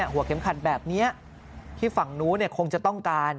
หัวเข็มขัดแบบนี้ที่ฝั่งนู้นคงจะต้องการ